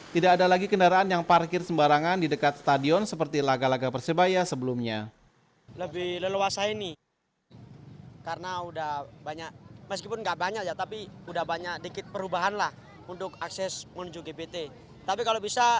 tidak ada lagi kendaraan yang parkir sembarangan di dekat stadion seperti laga laga persebaya sebelumnya